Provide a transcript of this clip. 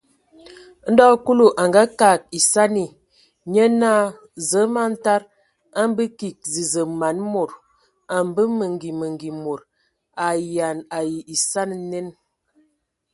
Ndo Kulu a ngakag esani, nye naa: Zǝə, man tada, a a mbǝ kig zəzə man mod. A mbə mengi mengi mod. A ayean ai esani nen !